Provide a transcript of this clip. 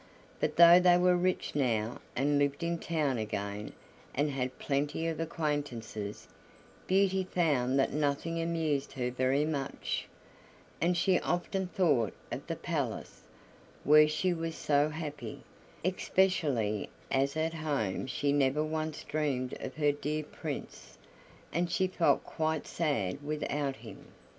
But though they were rich now, and lived in town again, and had plenty of acquaintances, Beauty found that nothing amused her very much; and she often thought of the palace, where she was so happy, especially as at home she never once dreamed of her dear Prince, and she felt quite sad without him.